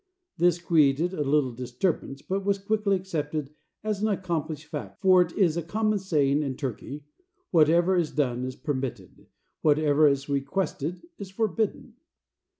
This created a little disturbance, but was quickly accepted as an accomplished fact, for it is a common saying in Turkey: "Whatever is done is permitted. Whatever is requested is forbidden."